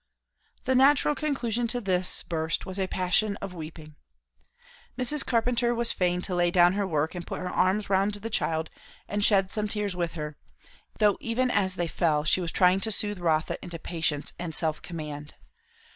The natural conclusion to this burst was a passion of weeping. Mrs. Carpenter was fain to lay down her work, and put her arms round the child, and shed some tears with her; though even as they fell she was trying to soothe Rotha into patience and self command.